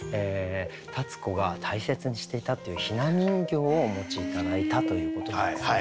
立子が大切にしていたっていう雛人形をお持ち頂いたということなんですね。